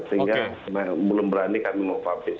sehingga belum berani kami memfasis